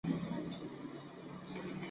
我那冷漠的口气为妳温柔